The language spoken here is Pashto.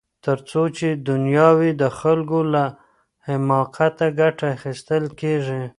تر څو چي دنیا وي د خلګو له حماقته ګټه اخیستل کیږي.